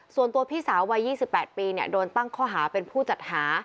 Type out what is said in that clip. ส่วนตัวพี่สาววัย๒๘ปีโดนตั้งข้อหาเป็นผู้จัดหา